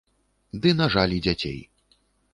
Ды, на жаль, і дзяцей.